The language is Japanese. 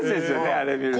あれ見ると。